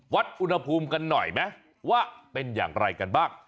วัดอุณหภูมิกันหน่อยไหมว่าเป็นอย่างไรกันบ้าง